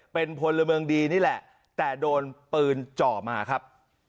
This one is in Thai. เป็นพลเมืองดีนี่แหละแต่โดนปืนจ่อมาครับ